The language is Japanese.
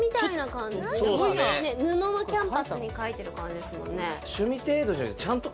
布のキャンパスに描いてる感じですよね。